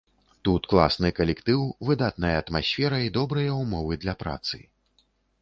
Тут класны калектыў, выдатная атмасфера і добрыя ўмовы для працы.